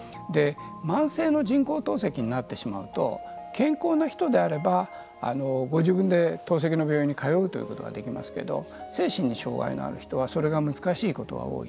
慢性の人工透析になってしまうと健康な人であればご自分で透析の病院に通うということができますけど精神に障害のある人はそれが難しいことが多い。